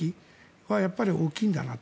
やっぱり大きいんだなと。